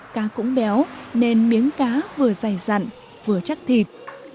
cá cũng béo nên miếng cá vừa dày dặn vừa chắc thịt